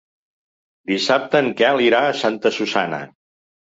Dissabte en Quel irà a Santa Susanna.